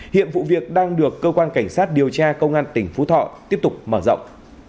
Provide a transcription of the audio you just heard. hiện vụ việc đang được cơ quan cảnh sát điều tra công an tỉnh phú thọ tiếp tục mở rộng